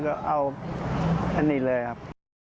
ก็เอาอันนี้เลยครับ